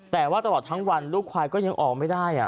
แต่ว่าตลอดทั้งวันลูกควายก็ยังออกไม่ได้